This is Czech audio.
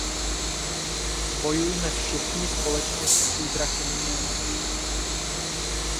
Bojujme všichni společně s přízraky minulosti.